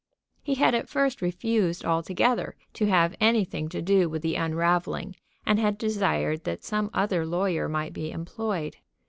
He had at first refused altogether to have anything to do with the unravelling, and had desired that some other lawyer might be employed.